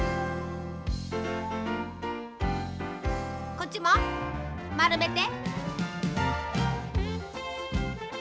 こっちもまるめて。